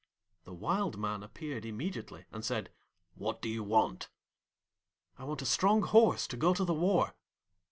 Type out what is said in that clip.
The Wild Man appeared immediately, and said, 'What do you want?' 'I want a strong horse to go to the war.'